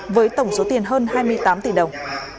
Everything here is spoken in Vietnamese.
với tổng số tiền hơn hai mươi tám tỷ đồng